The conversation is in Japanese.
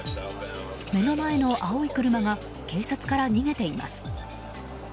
目の前の青い車が警察から逃げています。